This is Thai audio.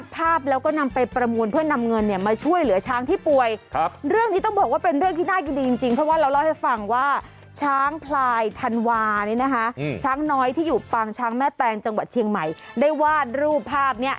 ถ้าไหล่ทันวานะนะคะช้างน้อยที่อยู่บางช่างแม่แตงจังหวัดเชียงใหม่ได้วาดรูปภาพเนี้ย